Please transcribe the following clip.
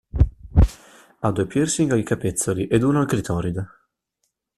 Ha due piercing ai capezzoli ed uno al clitoride.